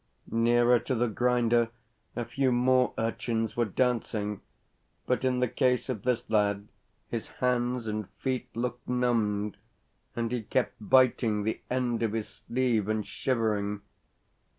Nearer to the grinder a few more urchins were dancing, but in the case of this lad his hands and feet looked numbed, and he kept biting the end of his sleeve and shivering.